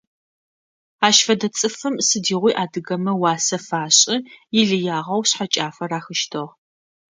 Ащ фэдэ цӀыфым сыдигъуи адыгэмэ уасэ фашӀы, илыягъэу шъхьэкӀафэ рахыщтыгь.